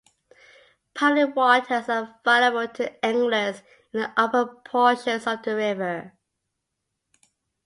Public waters are available to anglers in the upper portions of the river.